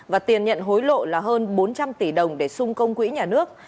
và tiền nhận hối lộ hơn bốn trăm linh tỷ đồng để sung công quỹ nhà nước